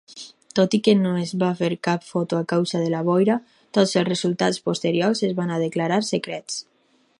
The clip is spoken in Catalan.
Tot i que no es va fer cap foto a causa de la boira, tots els resultats posteriors es van declarar secrets.